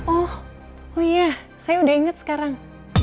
oh iya saya udah inget sekarang